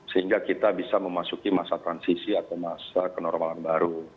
sehingga kita bisa memasuki masa transisi atau masa kenormalan baru